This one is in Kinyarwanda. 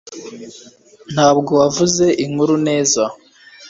Ntabwo wavuze inkuru neza